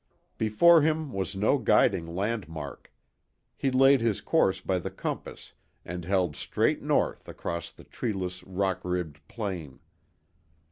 Before him was no guiding landmark. He laid his course by the compass and held straight North across the treeless rock ribbed plain.